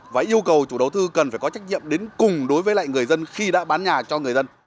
và yêu cầu chủ đầu tư cần phải có trách nhiệm đến cùng đối với lại người dân khi đã bán nhà cho người dân